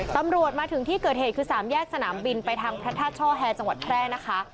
มาถึงที่เกิดเหตุคือสามแยกสนามบินไปทางพระธาตุช่อแฮจังหวัดแพร่นะคะ